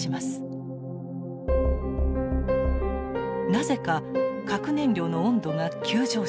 なぜか核燃料の温度が急上昇。